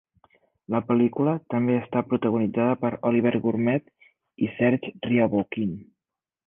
La pel·lícula també està protagonitzada per Olivier Gourmet i Serge Riaboukine.